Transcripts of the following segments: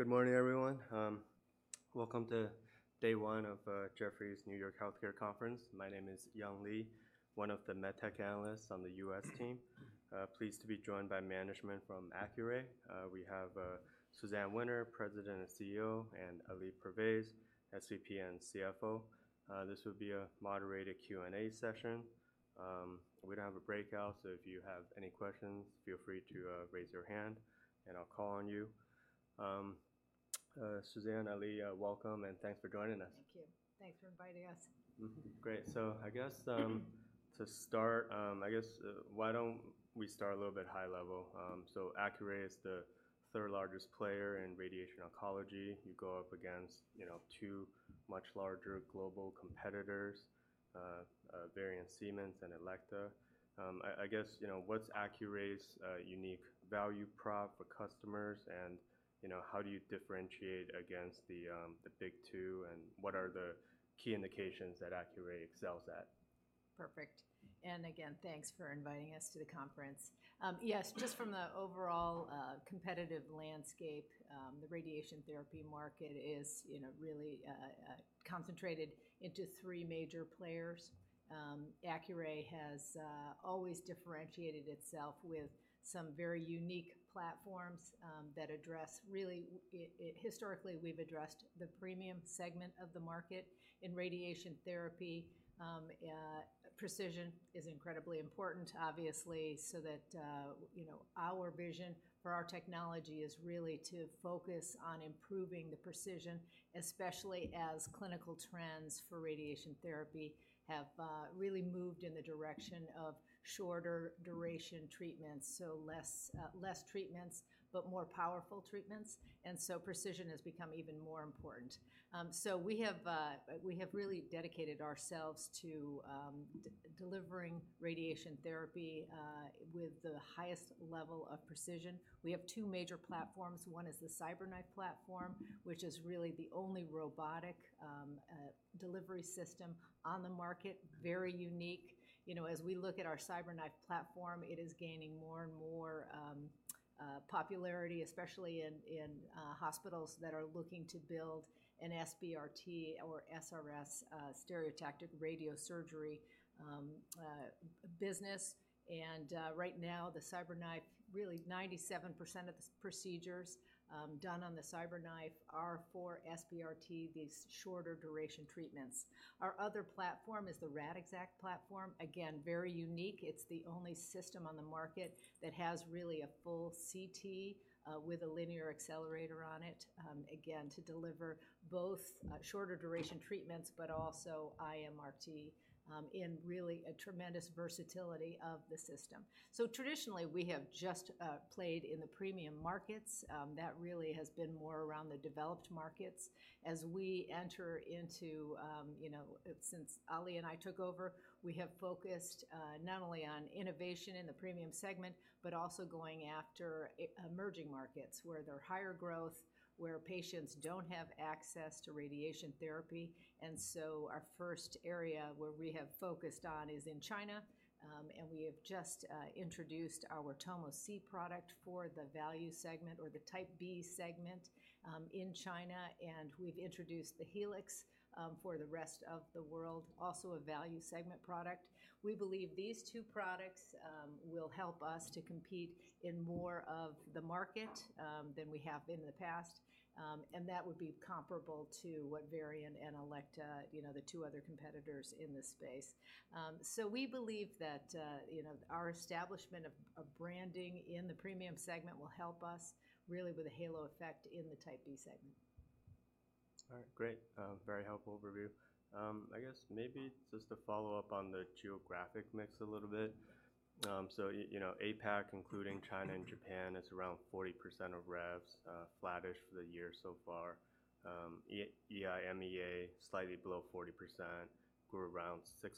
All right, good morning, everyone. Welcome to day one of Jefferies New York Healthcare Conference. My name is Young Li, one of the MedTech analysts on the US team. Pleased to be joined by management from Accuray. We have Suzanne Winter, President and CEO, and Ali Pervaiz, SVP and CFO. This will be a moderated Q&A session. We don't have a breakout, so if you have any questions, feel free to raise your hand, and I'll call on you. Suzanne, Ali, welcome, and thanks for joining us. Thank you. Thanks for inviting us. Great, so I guess to start, I guess why don't we start a little bit high level? So Accuray is the third largest player in radiation oncology. You go up against, you know, two much larger global competitors, Varian Siemens and Elekta. I guess, you know, what's Accuray's unique value prop for customers, and, you know, how do you differentiate against the big two, and what are the key indications that Accuray excels at? Perfect, and again, thanks for inviting us to the conference. Yes, just from the overall competitive landscape, the radiation therapy market is, you know, really concentrated into three major players. Accuray has always differentiated itself with some very unique platforms that address really it, it. Historically, we've addressed the premium segment of the market in radiation therapy. Precision is incredibly important, obviously, so that, you know, our vision for our technology is really to focus on improving the precision, especially as clinical trends for radiation therapy have really moved in the direction of shorter duration treatments, so less, less treatments, but more powerful treatments, and so precision has become even more important. So we have really dedicated ourselves to delivering radiation therapy with the highest level of precision. We have two major platforms. One is the CyberKnife platform, which is really the only robotic delivery system on the market, very unique. You know, as we look at our CyberKnife platform, it is gaining more and more popularity, especially in hospitals that are looking to build an SBRT or SRS stereotactic radiosurgery business. And right now, the CyberKnife, really 97% of the procedures done on the CyberKnife are for SBRT, these shorter duration treatments. Our other platform is the Radixact platform. Again, very unique. It's the only system on the market that has really a full CT with a linear accelerator on it, again, to deliver both shorter duration treatments, but also IMRT, and really a tremendous versatility of the system. So traditionally, we have just played in the premium markets. That really has been more around the developed markets. As we enter into, you know, since Ali and I took over, we have focused, not only on innovation in the premium segment, but also going after emerging markets, where there're higher growth, where patients don't have access to radiation therapy. And so our first area where we have focused on is in China, and we have just introduced our Tomo C product for the value segment or the Type B segment, in China, and we've introduced the Helix, for the rest of the world, also a value segment product. We believe these two products will help us to compete in more of the market than we have in the past, and that would be comparable to what Varian and Elekta, you know, the two other competitors in this space. So we believe that, you know, our establishment of branding in the premium segment will help us really with a halo effect in the Type B segment. All right. Great. Very helpful overview. I guess maybe just to follow up on the geographic mix a little bit. So you know, APAC, including China and Japan, is around 40% of revs, flattish for the year so far. EMEA, slightly below 40%, grew around 6%,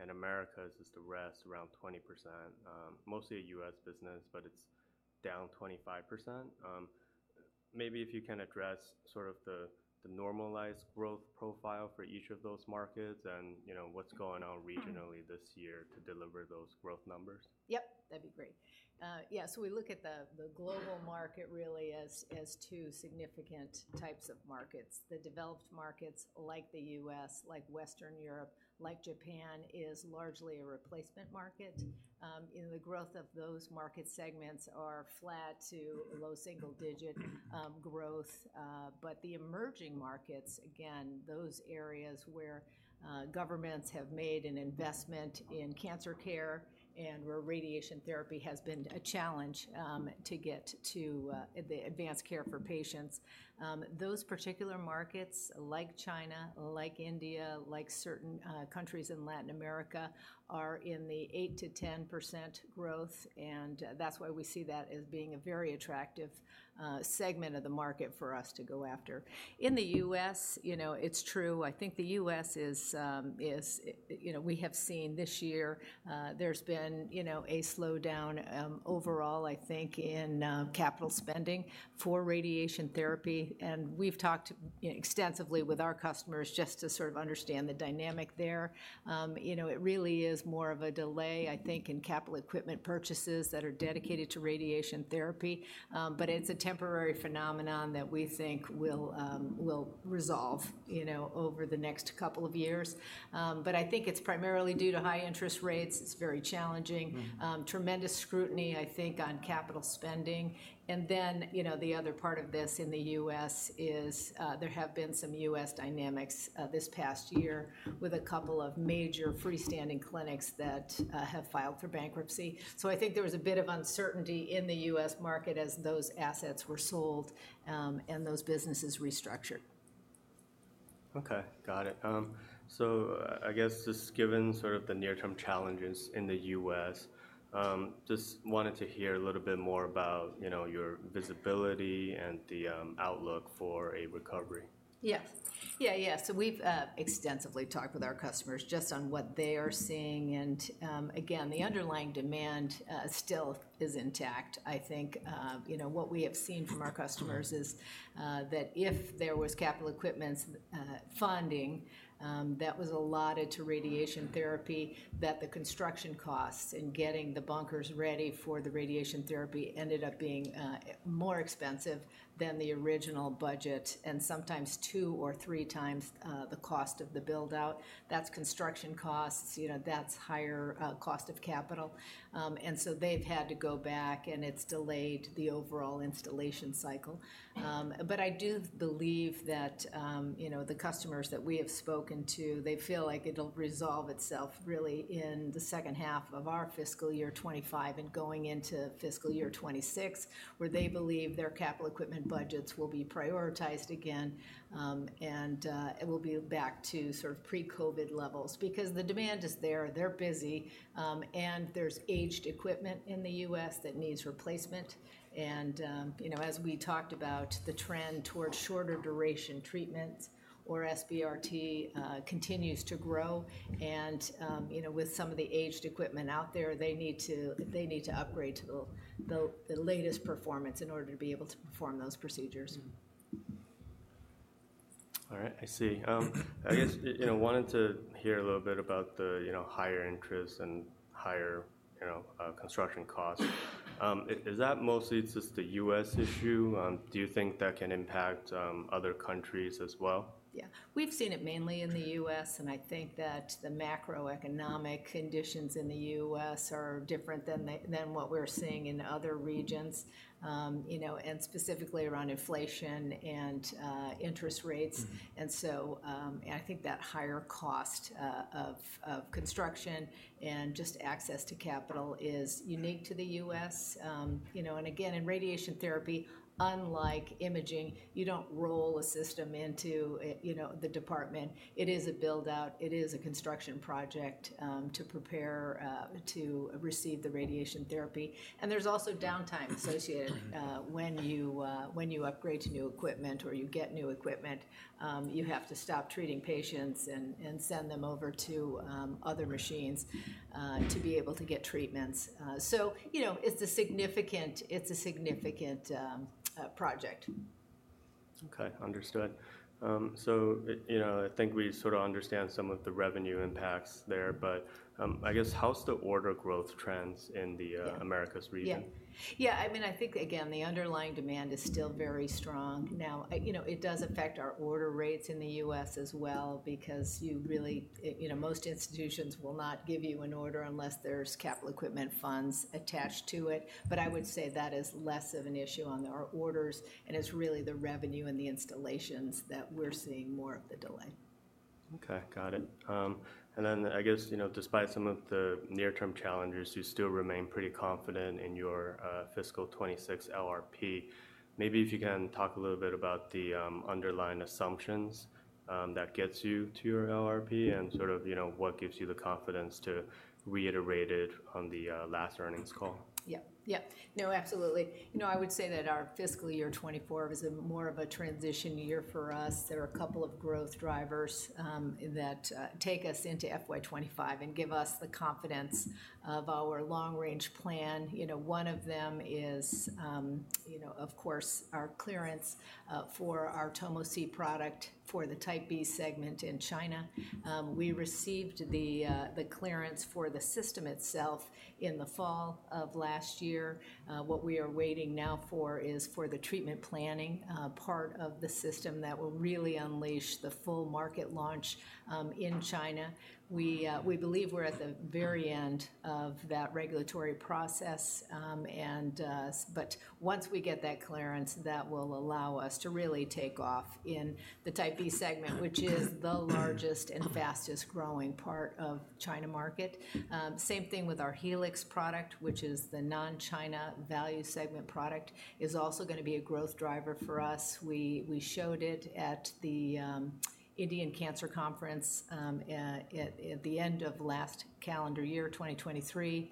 and Americas is the rest, around 20%. Mostly a US business, but it's down 25%. Maybe if you can address sort of the normalized growth profile for each of those markets and, you know, what's going on regionally this year to deliver those growth numbers? Yep, that'd be great. Yeah, so we look at the global market really as two significant types of markets. The developed markets, like the U.S., like Western Europe, like Japan, is largely a replacement market. And the growth of those market segments are flat to low single digit growth. But the emerging markets, again, those areas where governments have made an investment in cancer care and where radiation therapy has been a challenge to get to the advanced care for patients, those particular markets, like China, like India, like certain countries in Latin America, are in the 8%-10% growth, and that's why we see that as being a very attractive segment of the market for us to go after. In the U.S., you know, it's true. I think the U.S. is, you know, we have seen this year, there's been, you know, a slowdown, overall, I think, in, capital spending for radiation therapy, and we've talked extensively with our customers just to sort of understand the dynamic there. You know, it really is more of a delay, I think, in capital equipment purchases that are dedicated to radiation therapy, but it's a temporary phenomenon that we think will resolve, you know, over the next couple of years. But I think it's primarily due to high interest rates. It's very challenging. Mm-hmm. Tremendous scrutiny, I think, on capital spending. And then, you know, the other part of this in the U.S. is, there have been some U.S. dynamics, this past year with a couple of major freestanding clinics that, have filed for bankruptcy. So I think there was a bit of uncertainty in the U.S. market as those assets were sold, and those businesses restructured.... Okay, got it. So I guess just given sort of the near-term challenges in the U.S., just wanted to hear a little bit more about, you know, your visibility and the outlook for a recovery. Yeah. Yeah, yeah. So we've extensively talked with our customers just on what they are seeing, and, again, the underlying demand still is intact. I think, you know, what we have seen from our customers is, that if there was Capital Equipment funding that was allotted to radiation therapy, that the construction costs in getting the bunkers ready for the radiation therapy ended up being more expensive than the original budget, and sometimes 2 or 3 times the cost of the build-out. That's construction costs, you know, that's higher cost of capital. And so they've had to go back, and it's delayed the overall installation cycle. But I do believe that, you know, the customers that we have spoken to, they feel like it'll resolve itself really in the second half of our fiscal year 2025 and going into fiscal year 2026, where they believe their capital equipment budgets will be prioritized again, and it will be back to sort of pre-COVID levels. Because the demand is there, they're busy, and there's aged equipment in the U.S. that needs replacement. And you know, as we talked about, the trend towards shorter duration treatments or SBRT continues to grow, and you know, with some of the aged equipment out there, they need to upgrade to the latest performance in order to be able to perform those procedures. All right. I see. I guess, you know, wanted to hear a little bit about the, you know, higher interest and higher, you know, construction costs. Is that mostly just a U.S. issue? Do you think that can impact other countries as well? Yeah. We've seen it mainly in the U.S., and I think that the macroeconomic conditions in the U.S. are different than what we're seeing in other regions, you know, and specifically around inflation and interest rates. Mm. And so, and I think that higher cost of construction and just access to capital is unique to the U.S. You know, and again, in radiation therapy, unlike imaging, you don't roll a system into it, you know, the department. It is a build-out. It is a construction project to prepare to receive the radiation therapy, and there's also downtime associated. Mm-hmm. When you upgrade to new equipment or you get new equipment, you have to stop treating patients and send them over to other machines to be able to get treatments. So you know, it's a significant project. Okay, understood. So, you know, I think we sort of understand some of the revenue impacts there, but, I guess, how's the order growth trends in the- Yeah... Americas region? Yeah. Yeah, I mean, I think, again, the underlying demand is still very strong. Now, I-- you know, it does affect our order rates in the U.S. as well, because you really... It, you know, most institutions will not give you an order unless there's capital equipment funds attached to it. But I would say that is less of an issue on our orders, and it's really the revenue and the installations that we're seeing more of the delay. Okay, got it. And then I guess, you know, despite some of the near-term challenges, you still remain pretty confident in your fiscal 2026 LRP. Maybe if you can talk a little bit about the underlying assumptions that gets you to your LRP and sort of, you know, what gives you the confidence to reiterate it on the last earnings call? Yeah. Yeah. No, absolutely. You know, I would say that our fiscal year 2024 is more of a transition year for us. There are a couple of growth drivers that take us into FY 2025 and give us the confidence of our long-range plan. You know, one of them is, you know, of course, our clearance for our Tomo C product for the Type B segment in China. We received the clearance for the system itself in the fall of last year. What we are waiting now for is for the treatment planning part of the system that will really unleash the full market launch in China. We, we believe we're at the very end of that regulatory process, and, but once we get that clearance, that will allow us to really take off in the Type B segment, which is the largest and fastest growing part of China market. Same thing with our Helix product, which is the non-China value segment product, is also gonna be a growth driver for us. We, we showed it at the Indian Cancer Conference, at, at the end of last calendar year, 2023,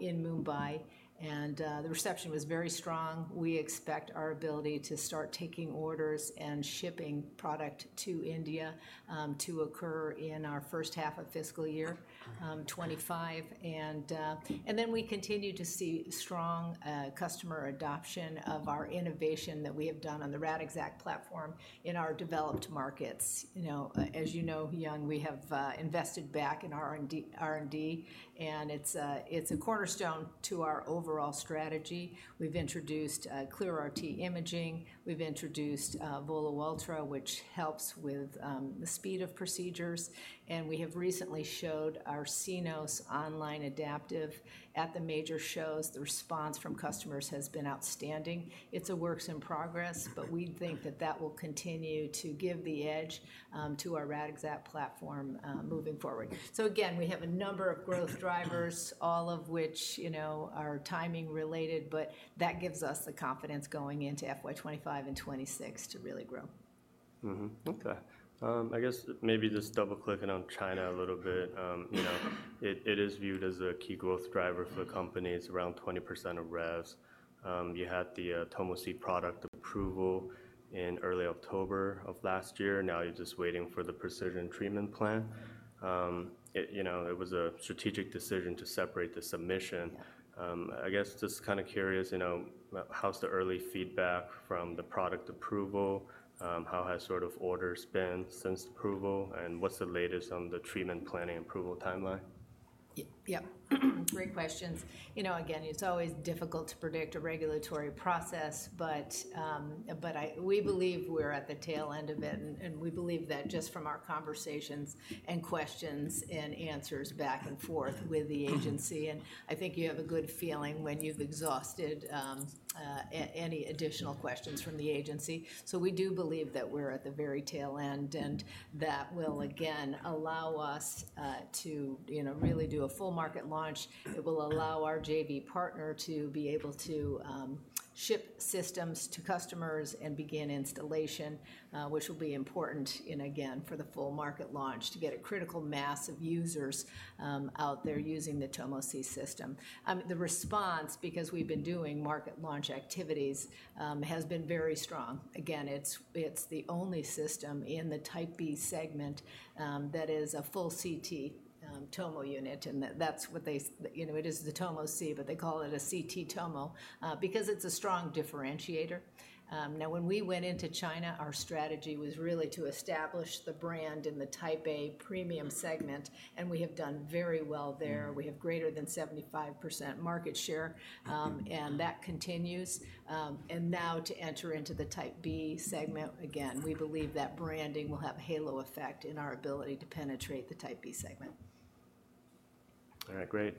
in Mumbai, and, the reception was very strong. We expect our ability to start taking orders and shipping product to India, to occur in our first half of fiscal year 2025. And then we continue to see strong customer adoption of our innovation that we have done on the Radixact platform in our developed markets. You know, as you know, Young, we have invested back in R&D, and it's a cornerstone to our overall strategy. We've introduced ClearRT imaging. We've introduced VOLO Ultra, which helps with the speed of procedures, and we have recently showed our Cenos online adaptive at the major shows. The response from customers has been outstanding. It's a work in progress, but we think that that will continue to give the edge to our Radixact platform moving forward. So again, we have a number of growth drivers, all of which, you know, are timing related, but that gives us the confidence going into FY 2025 and 2026 to really grow.... Mm-hmm. Okay. I guess maybe just double-clicking on China a little bit. You know, it, it is viewed as a key growth driver for the company. It's around 20% of revs. You had the Tomo C product approval in early October of last year, now you're just waiting for the precision treatment plan. You know, it was a strategic decision to separate the submission. Yeah. I guess just kinda curious, you know, how's the early feedback from the product approval? How has sort of orders been since approval, and what's the latest on the treatment planning approval timeline? Yep. Great questions. You know, again, it's always difficult to predict a regulatory process, but we believe we're at the tail end of it, and we believe that just from our conversations and questions and answers back and forth with the agency. I think you have a good feeling when you've exhausted any additional questions from the agency. So we do believe that we're at the very tail end, and that will again allow us to, you know, really do a full market launch. It will allow our JV partner to be able to ship systems to customers and begin installation, which will be important, and again, for the full market launch, to get a critical mass of users out there using the Tomo C system. The response, because we've been doing market launch activities, has been very strong. Again, it's the only system in the Type B segment that is a full CT tomo unit, and that's what they – you know, it is the Tomo C, but they call it a CT tomo because it's a strong differentiator. Now, when we went into China, our strategy was really to establish the brand in the Type A premium segment, and we have done very well there. Mm. We have greater than 75% market share, and that continues. And now, to enter into the Type B segment, again, we believe that branding will have a halo effect in our ability to penetrate the Type B segment. All right. Great.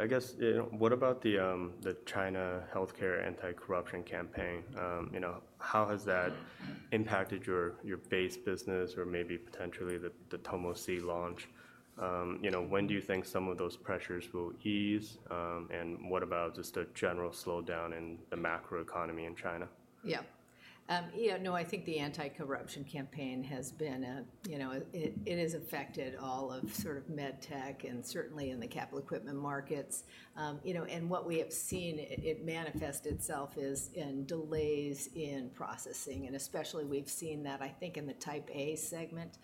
I guess, you know, what about the China healthcare anti-corruption campaign? You know, how has that impacted your base business or maybe potentially the Tomo C launch? You know, when do you think some of those pressures will ease? And what about just a general slowdown in the macroeconomy in China? Yeah. You know, no, I think the anti-corruption campaign has been a... You know, it, it has affected all of sort of med tech, and certainly in the Capital Equipment markets. You know, and what we have seen it, it manifest itself is in delays in processing, and especially we've seen that, I think, in the Type A segment,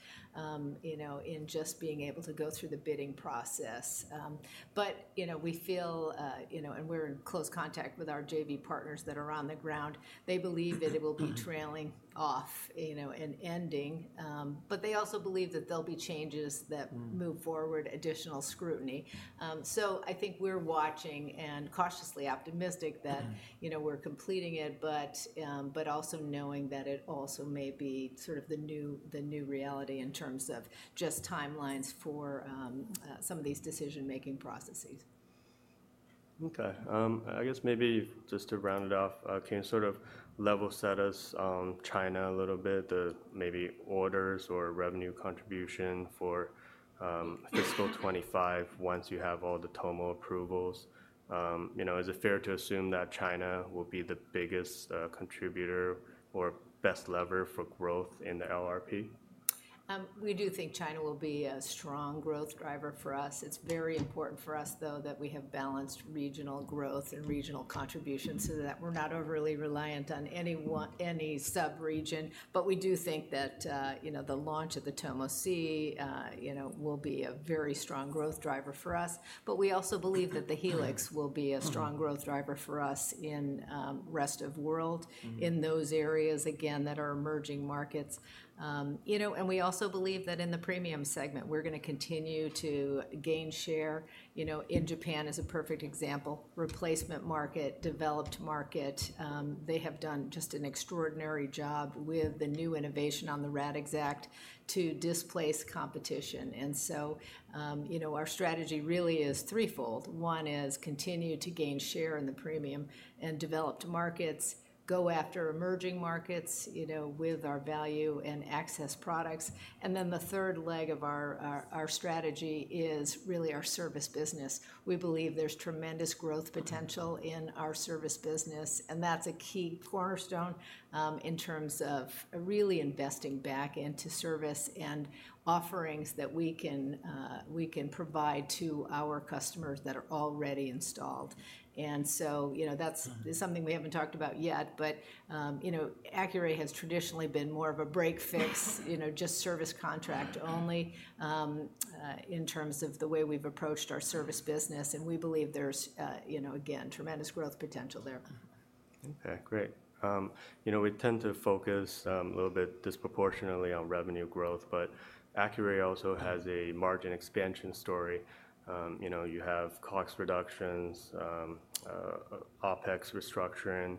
you know, in just being able to go through the bidding process. But you know, we feel, you know, and we're in close contact with our JV partners that are on the ground, they believe-... that it will be trailing off, you know, and ending. But they also believe that there'll be changes that- Mm... move forward additional scrutiny. So I think we're watching and cautiously optimistic that- Mm... you know, we're completing it, but, but also knowing that it also may be sort of the new, the new reality in terms of just timelines for some of these decision-making processes. Okay. I guess maybe just to round it off, can you sort of level set us on China a little bit, the maybe orders or revenue contribution for, fiscal 2025 once you have all the tomo approvals? You know, is it fair to assume that China will be the biggest, contributor or best lever for growth in the LRP? We do think China will be a strong growth driver for us. It's very important for us, though, that we have balanced regional growth and regional contributions, so that we're not overly reliant on any subregion. But we do think that, you know, the launch of the Tomo C, you know, will be a very strong growth driver for us. But we also believe that the Helix will be- Mm-hmm... a strong growth driver for us in, rest of world- Mm... in those areas, again, that are emerging markets. You know, and we also believe that in the premium segment, we're gonna continue to gain share. You know, in Japan is a perfect example, replacement market, developed market. They have done just an extraordinary job with the new innovation on the Radixact to displace competition. And so, you know, our strategy really is threefold. One is continue to gain share in the premium and developed markets, go after emerging markets, you know, with our value and access products, and then the third leg of our strategy is really our service business. We believe there's tremendous growth potential- Mm-hmm... in our service business, and that's a key cornerstone, in terms of really investing back into service and offerings that we can provide to our customers that are already installed. And so, you know, that's- Mm... something we haven't talked about yet, but, you know, Accuray has traditionally been more of a break-fix, you know, just service contract only, in terms of the way we've approached our service business, and we believe there's, you know, again, tremendous growth potential there. Okay, great. You know, we tend to focus a little bit disproportionately on revenue growth, but Accuray also has a margin expansion story. You know, you have cost reductions, OpEx restructuring,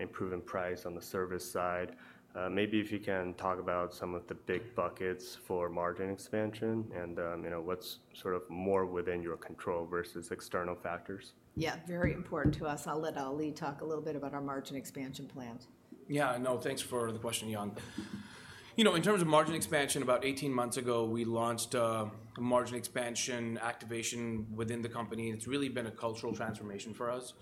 improving price on the service side. Maybe if you can talk about some of the big buckets for margin expansion and, you know, what's sort of more within your control versus external factors. Yeah, very important to us. I'll let Ali talk a little bit about our margin expansion plans. Yeah, no, thanks for the question, Yang. You know, in terms of margin expansion, about 18 months ago, we launched a margin expansion activation within the company, and it's really been a cultural transformation for us.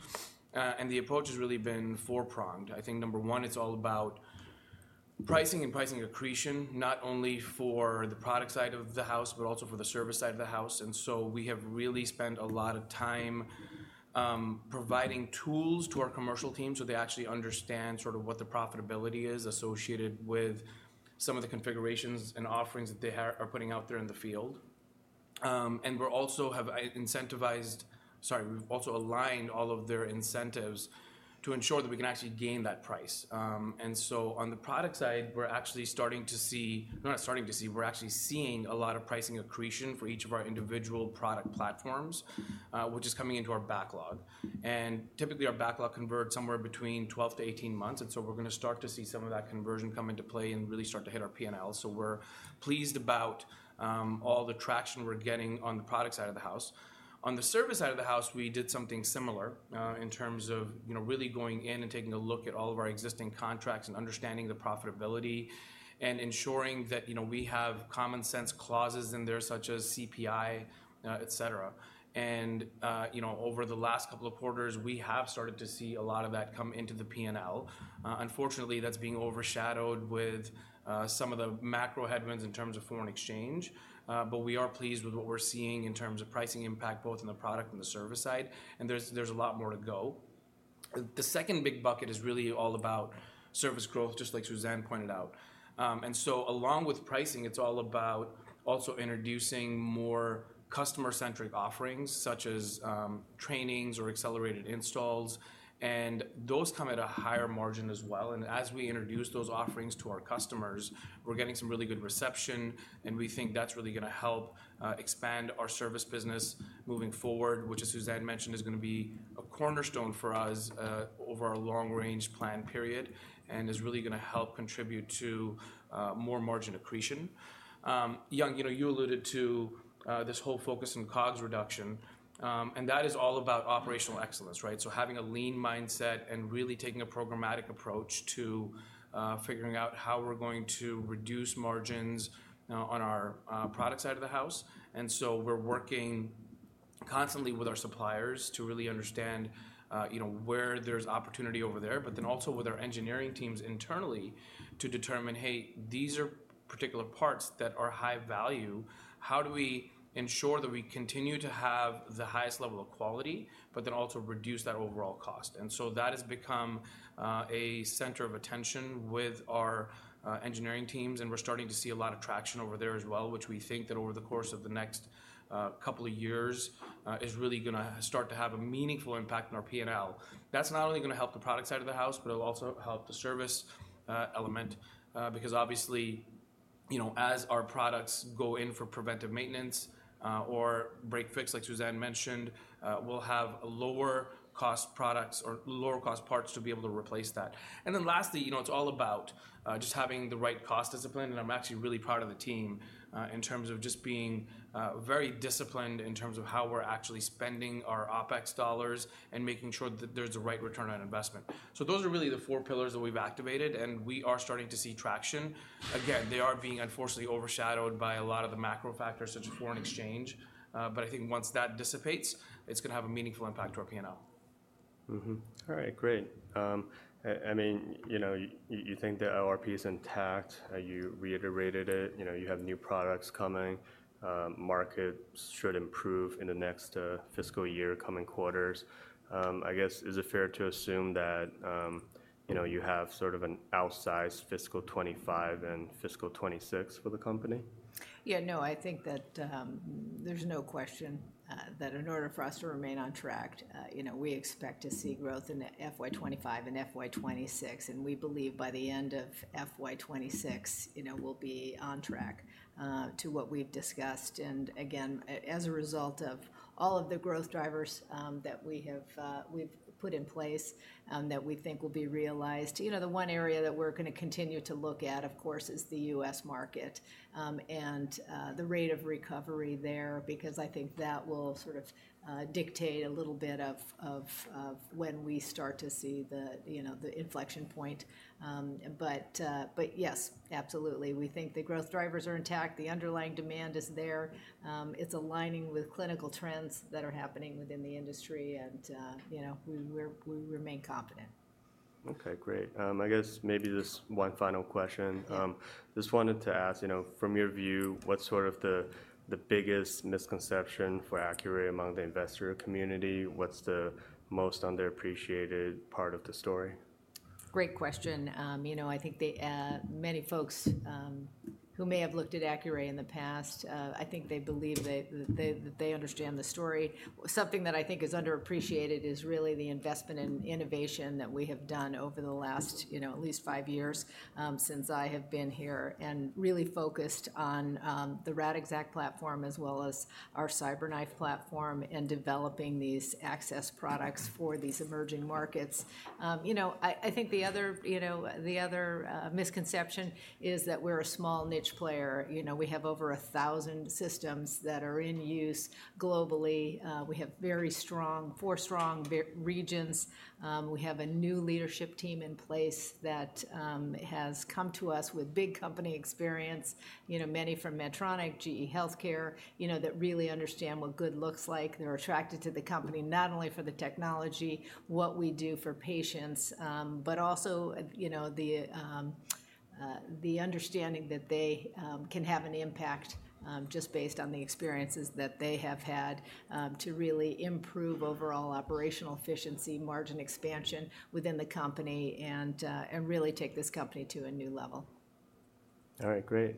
And the approach has really been four-pronged. I think number one, it's all about pricing and pricing accretion, not only for the product side of the house, but also for the service side of the house. And so we have really spent a lot of time providing tools to our commercial team, so they actually understand sort of what the profitability is associated with some of the configurations and offerings that they are putting out there in the field. And we've also aligned all of their incentives to ensure that we can actually gain that price. And so on the product side, we're actually starting to see... We're not starting to see, we're actually seeing a lot of pricing accretion for each of our individual product platforms, which is coming into our backlog. And typically, our backlog converts somewhere between 12-18 months, and so we're gonna start to see some of that conversion come into play and really start to hit our P&L. So we're pleased about all the traction we're getting on the product side of the house. On the service side of the house, we did something similar, in terms of, you know, really going in and taking a look at all of our existing contracts and understanding the profitability, and ensuring that, you know, we have common sense clauses in there, such as CPI, et cetera. And, you know, over the last couple of quarters, we have started to see a lot of that come into the PNL. Unfortunately, that's being overshadowed with some of the macro headwinds in terms of foreign exchange. But we are pleased with what we're seeing in terms of pricing impact, both on the product and the service side, and there's a lot more to go. The second big bucket is really all about service growth, just like Suzanne pointed out. And so along with pricing, it's all about also introducing more customer-centric offerings, such as trainings or accelerated installs, and those come at a higher margin as well. As we introduce those offerings to our customers, we're getting some really good reception, and we think that's really gonna help expand our service business moving forward, which, as Suzanne mentioned, is gonna be a cornerstone for us over our long-range plan period and is really gonna help contribute to more margin accretion. Young, you know, you alluded to this whole focus on COGS reduction, and that is all about operational excellence, right? So having a lean mindset and really taking a programmatic approach to figuring out how we're going to reduce margins on our product side of the house. And so we're working constantly with our suppliers to really understand, you know, where there's opportunity over there, but then also with our engineering teams internally, to determine, hey, these are particular parts that are high value. How do we ensure that we continue to have the highest level of quality, but then also reduce that overall cost? And so that has become a center of attention with our engineering teams, and we're starting to see a lot of traction over there as well, which we think that over the course of the next couple of years is really gonna start to have a meaningful impact on our PNL. That's not only gonna help the product side of the house, but it'll also help the service element because obviously, you know, as our products go in for preventive maintenance or break-fix, like Suzanne mentioned, we'll have lower cost products or lower cost parts to be able to replace that. And then lastly, you know, it's all about just having the right cost discipline, and I'm actually really proud of the team in terms of just being very disciplined in terms of how we're actually spending our OpEx dollars and making sure that there's a right return on investment. So those are really the four pillars that we've activated, and we are starting to see traction. Again, they are being unfortunately overshadowed by a lot of the macro factors, such as foreign exchange. But I think once that dissipates, it's gonna have a meaningful impact to our P&L. Mm-hmm. All right, great. I mean, you know, you think the LRP is intact. You reiterated it, you know. You have new products coming. Markets should improve in the next fiscal year, coming quarters. I guess, is it fair to assume that, you know, you have sort of an outsized fiscal 2025 and fiscal 2026 for the company? Yeah. No, I think that, there's no question, that in order for us to remain on track, you know, we expect to see growth in the FY 2025 and FY 2026, and we believe by the end of FY 2026, you know, we'll be on track, to what we've discussed. And again, as a result of all of the growth drivers, that we have, we've put in place, that we think will be realized. You know, the one area that we're gonna continue to look at, of course, is the US market, and, the rate of recovery there, because I think that will sort of, dictate a little bit of, when we start to see the, you know, the inflection point. But yes, absolutely, we think the growth drivers are intact, the underlying demand is there. It's aligning with clinical trends that are happening within the industry, and, you know, we remain confident. Okay, great. I guess maybe just one final question. Yeah. Just wanted to ask, you know, from your view, what's sort of the biggest misconception for Accuray among the investor community? What's the most underappreciated part of the story? Great question. You know, I think the many folks who may have looked at Accuray in the past, I think they believe that they understand the story. Something that I think is underappreciated is really the investment in innovation that we have done over the last, you know, at least five years, since I have been here, and really focused on the Radixact platform, as well as our CyberKnife platform, and developing these access products for these emerging markets. You know, I think the other, you know, the other misconception is that we're a small niche player. You know, we have over 1,000 systems that are in use globally. We have very strong, four strong regions. We have a new leadership team in place that has come to us with big company experience, you know, many from Medtronic, GE Healthcare, you know, that really understand what good looks like. They're attracted to the company, not only for the technology, what we do for patients, but also, you know, the understanding that they can have an impact, just based on the experiences that they have had, to really improve overall operational efficiency, margin expansion within the company, and really take this company to a new level. All right, great.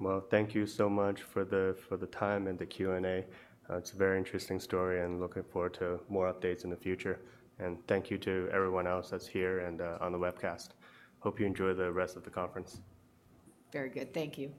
Well, thank you so much for the, for the time and the Q&A. It's a very interesting story, and looking forward to more updates in the future. And thank you to everyone else that's here and, on the webcast. Hope you enjoy the rest of the conference. Very good. Thank you.